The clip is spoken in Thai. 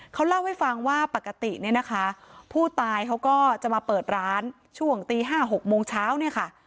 เขาเล่าให้ฟังว่าปกติเนี่ยนะคะผู้ตายเขาก็จะมาเปิดร้านช่วงตี๕๖โมงเช้าเนี่ยค่ะ